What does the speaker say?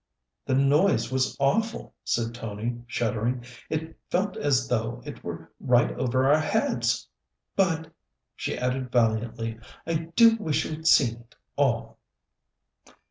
"The noise was awful!" said Tony, shuddering. "It felt as though it were right over our heads. But," she added valiantly, "I do wish we'd seen it all!"